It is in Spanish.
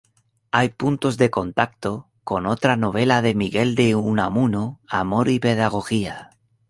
Hay puntos de contacto con otra novela de Miguel de Unamuno, "Amor y pedagogía".